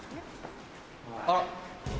あら。